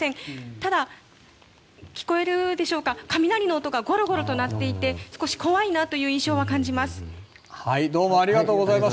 ただ、聞こえるでしょうか雷の音がゴロゴロと鳴っていて少し怖いなという印象は感じます。